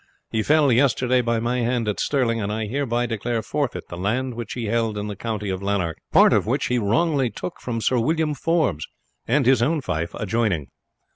He fell yesterday by my hand at Stirling, and I hereby declare forfeit the land which he held in the county of Lanark, part of which he wrongfully took from Sir William Forbes, and his own fief adjoining.